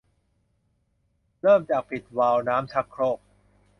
เริ่มจากปิดวาล์วน้ำชักโครก